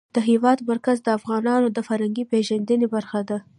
د هېواد مرکز د افغانانو د فرهنګي پیژندنې برخه ده.